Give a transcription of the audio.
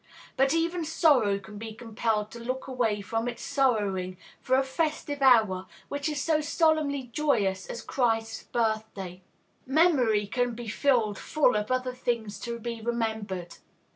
But even sorrow can be compelled to look away from its sorrowing for a festival hour which is so solemnly joyous as Christ's Birthday. Memory can be filled full of other things to be remembered.